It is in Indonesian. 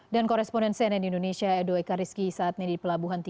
dan koresponen cnn indonesia edo eka rizki